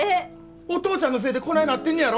お父ちゃんのせえでこないなってんねやろ？